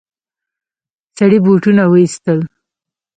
سړي بوټونه وايستل.